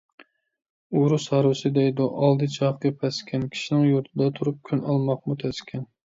ئۇرۇس ھارۋىسى دەيدۇ ئالدى چاقى پەس ئىكەن. كىشنىڭ يۇرتىدا تۈرۈپ كۈن ئالماقمۇ تەس ئىكەن .